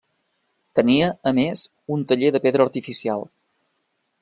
Tenia, a més, un taller de pedra artificial.